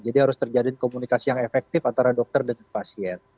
jadi harus terjadi komunikasi yang efektif antara dokter dan pasien